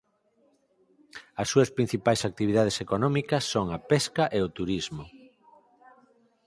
As súas principais actividades económicas son a pesca e o turismo.